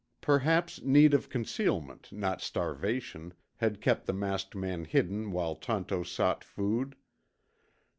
Perhaps need of concealment, not starvation, had kept the masked man hidden while Tonto sought food.